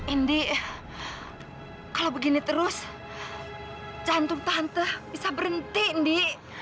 indi eh kalau begini terus jantung tante bisa berhenti indi